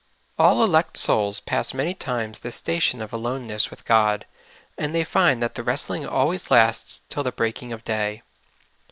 '' All elect souls pass man}^ times this station of aloneness with God, and they find that the wrestling always lasts till the breaking of day.